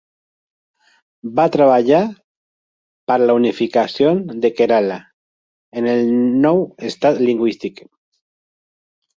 Va treballar per a la unificació de Kerala en un nou estat lingüístic.